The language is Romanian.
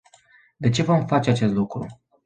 De ce vom face acest lucru?